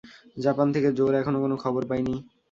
Japan থেকে জো-র এখনও কোন খবর পাইনি।